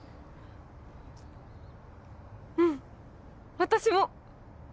うん私も！